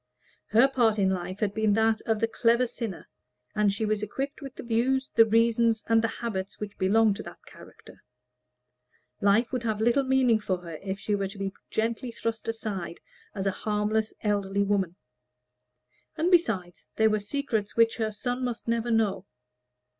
Her part in life had been that of the clever sinner, and she was equipped with the views, the reasons, and the habits which belonged to that character; life would have little meaning for her if she were to be gently thrust aside as a harmless elderly woman. And besides, there were secrets which her son must never know.